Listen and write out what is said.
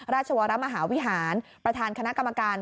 ราชวรมหาวิหารประธานคณะกรรมการ